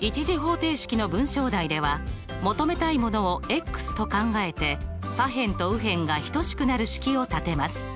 １次方程式の文章題では求めたいものをと考えて左辺と右辺が等しくなる式を立てます。